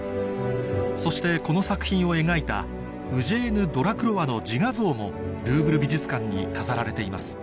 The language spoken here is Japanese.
そしてこの作品を描いたウジェーヌ・ドラクロワの自画像もルーヴル美術館に飾られています